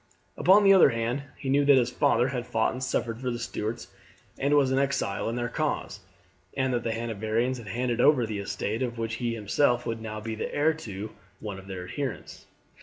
Upon the other hand he knew that his father had fought and suffered for the Stuarts and was an exile in their cause, and that Hanoverians had handed over the estate of which he himself would now be the heir to one of their adherents.